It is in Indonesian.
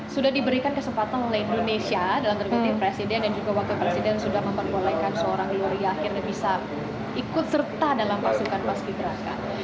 sudah diberikan kesempatan oleh indonesia dalam terbitnya presiden dan juga wakil presiden sudah memperbolehkan seorang gloria akhirnya bisa ikut serta dalam pasukan paski beraka